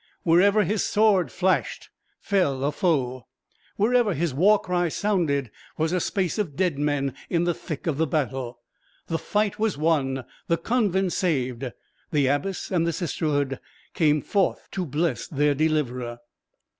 Wherever his sword flashed fell a foe. Wherever his war cry sounded was a space of dead men in the thick of the battle. The fight was won; the convent saved; the abbess and the sisterhood came forth to bless their deliverer.